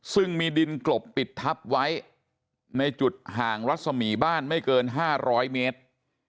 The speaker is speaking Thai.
ซึ่งมีดินกลบปิดทับไว้ในจุดห่างรัศมีบ้านไม่เกิน๕๐๐เมตร